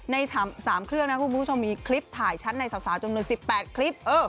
ใน๓เครื่องนะคุณผู้ชมมีคลิปถ่ายชัดในสาวจำนวน๑๘คลิป